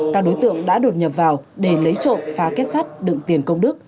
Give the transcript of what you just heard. các đối tượng đã đột nhập vào để lấy trộm phá kết sắt đựng tiền công đức